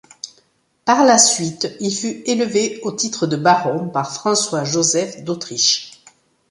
Par la suite, il fut élevé au titre de baron par François-Joseph d'Autriche.